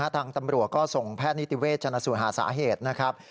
ทางตำรวจก็ส่งแพทย์นิติเวชชนะสูตรหาสาเหตุนะครับ